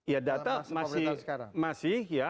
ya data masih